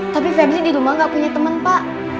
tapi febri di rumah gak punya teman pak